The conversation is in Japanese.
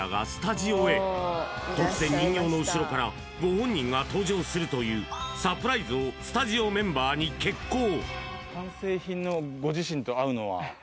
突然人形の後ろからご本人が登場するというサプライズをスタジオメンバーに決行！